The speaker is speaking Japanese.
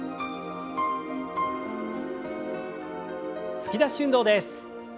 突き出し運動です。